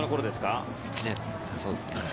そうですね。